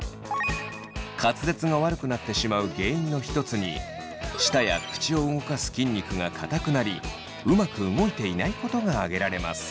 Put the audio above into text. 滑舌が悪くなってしまう原因の一つに舌や口を動かす筋肉が硬くなりうまく動いていないことが挙げられます。